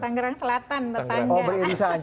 tangerang selatan tangerang selatan